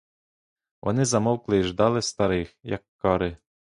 Вони замовкли й ждали старих, як кари.